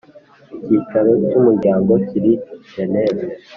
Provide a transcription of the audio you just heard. Icyicaro cy umuryango kiri geneve